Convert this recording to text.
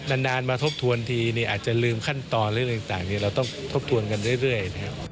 ไม่นานมาทบทวนอาจจะลืมขั้นตรอย่างนี้เราต้องทบทวนได้เร่ย